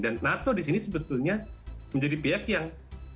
dan nato di sini sebetulnya menjadi pihak yang